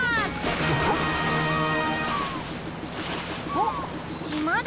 おっしまだ。